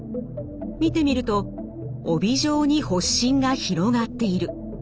見てみると帯状に発疹が広がっている。